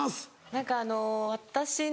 何かあの私の。